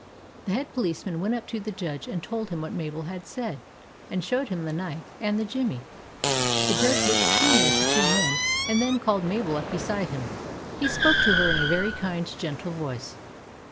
The Head Policeman went up to the Judge and told him what Mabel had said, and showed him the knife and the jimmy. The Judge looked keenly at the two men, and then called Mabel up beside him. He spoke to her in a very kind, gentle voice.